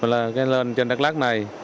là cái lên trên đắk lắc